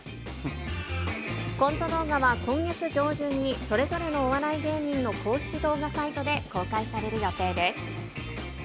コント動画は今月上旬に、それぞれのお笑い芸人の公式動画サイトで公開される予定です。